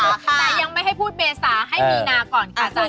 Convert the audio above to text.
แต่ยังไม่ให้พูดเมษาให้มีนาก่อนค่ะอาจารย์